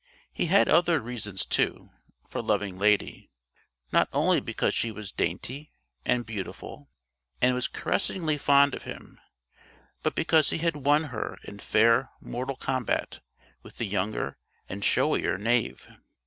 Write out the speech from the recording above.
He had other reasons, too, for loving Lady not only because she was dainty and beautiful, and was caressingly fond of him, but because he had won her in fair mortal combat with the younger and showier Knave.